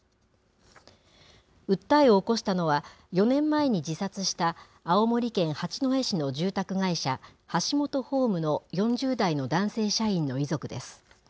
訴えを起こしたのは、４年前に自殺した青森県八戸市の住宅会社、ハシモトホームの４０代の男性社員の遺族です。